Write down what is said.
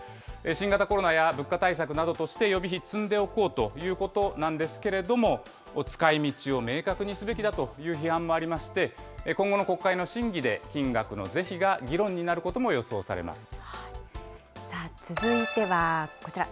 新型コロナや物価対策などとして予備費積んでおこうということなんですけれども、使いみちを明確にすべきだという批判もありまして、今後の国会の審議で、金額の是非が議論になることも予想されさあ、続いてはこちら。